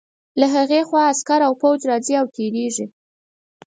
له هغې خوا عسکر او پوځ راځي او تېرېږي.